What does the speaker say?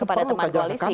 kepada teman koalisi kan